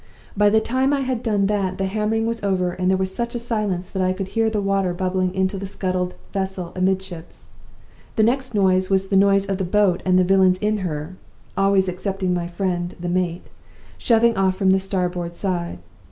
By the time I had done that the hammering was over and there was such a silence that I could hear the water bubbling into the scuttled vessel amidships. The next noise was the noise of the boat and the villains in her (always excepting my friend, the mate) shoving off from the starboard side.